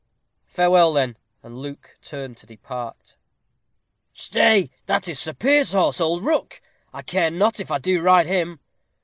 "Farewell, then." And Luke turned to depart. "Stay; that is Sir Piers's horse, old Rook. I care not if I do ride him."